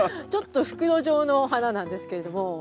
ちょっと袋状の花なんですけれども。